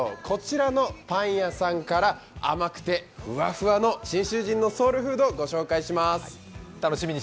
こちらのパン屋さんから甘くてふわふわの信州人のソウルフードをご紹介します。